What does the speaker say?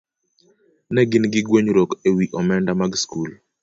ne gin gi gwenyruok e wi omenda mag skul.